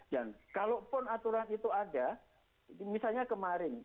kalaupun aturan itu ada misalnya kemarin